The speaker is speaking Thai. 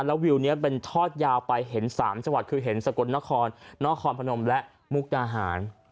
แล้ววิวเนี้ยเป็นทอดยาวไปเห็นสามสวัสดิ์คือเห็นสะกดนครน้อคอนพนมและมุกนาหาร